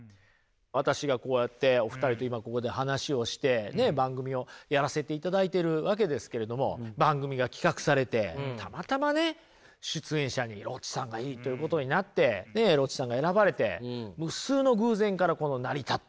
私がこうやってお二人と今ここで話をしてね番組をやらせていただいてるわけですけれども番組が企画されてたまたまね出演者にロッチさんがいいということになってでロッチさんが選ばれて無数の偶然からこの成り立ってる。